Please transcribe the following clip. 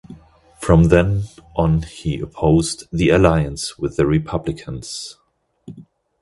From then on he opposed the alliance with the Republicans.